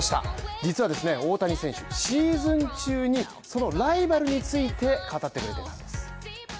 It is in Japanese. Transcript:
実はですね大谷選手、シーズン中にそのライバルについて語ってくれた。